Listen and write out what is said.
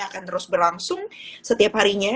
akan terus berlangsung setiap harinya